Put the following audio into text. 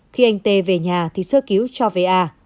khi anh t về nhà thì sơ cứu cho va